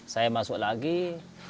saya masuk lagi ya terus saya apa